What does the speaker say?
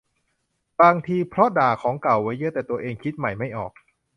บางทีเพราะด่าของเก่าไว้เยอะ แต่ตัวเองคิดใหม่ไม่ออก